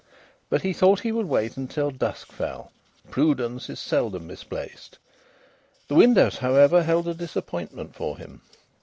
But he thought he would wait until dusk fell. Prudence is seldom misplaced. The windows, however, held a disappointment for him.